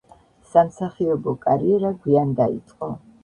სამსახიობო კარიერა გვიან დაიწყო.